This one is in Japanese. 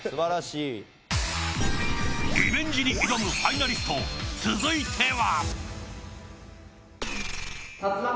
リベンジに挑むファイナリスト続いては。